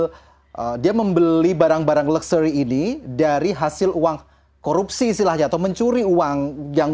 dan dia membeli barang barang next gains dari hasil uang korupsi silah atau mencuri uang yang